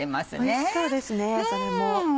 おいしそうですねそれも。